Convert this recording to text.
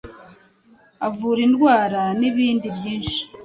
avura indwara n’ibindi byinshi